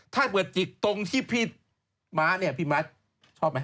ถ้าเกิดจิกตรงที่พี่ม้าเนี่ยพี่ม้าชอบไหม